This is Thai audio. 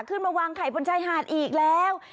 ขึ้นมาวางไข่บนชายหาดอีกแล้ว